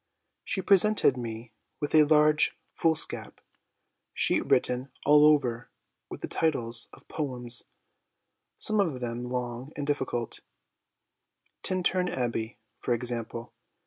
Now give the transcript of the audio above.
She presented me with a large foolscap sheet written all over with the titles of poems, some of them long and difficult : Tintern Abbey , for example.